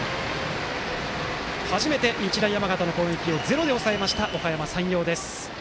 初めて日大山形の攻撃をゼロに抑えたおかやま山陽です。